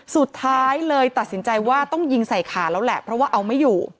สุดท้ายเลยตัดสินใจว่าต้องยิงใส่ขาแล้วแหละเพราะว่าเอาไม่อยู่